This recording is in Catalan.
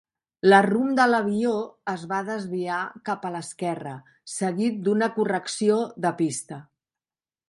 La rumb de l'avió es va desviar cap a l'esquerra, seguit d'una correcció de pista.